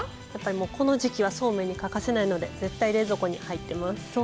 この時季はそうめんに欠かせないので絶対、冷蔵庫に入ってます。